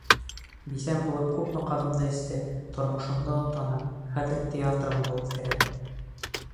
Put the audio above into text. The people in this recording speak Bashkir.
Бисәм булып күпме ҡанымды эсте, тормошомдо онтаны, хәҙер театрымды үлтерә!